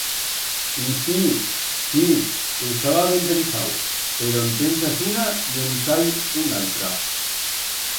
Y sí, sí, estaba ben pensau, pero en pensas una y en sall unaltra.